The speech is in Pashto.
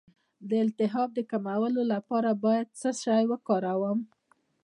د التهاب د کمولو لپاره باید څه شی وکاروم؟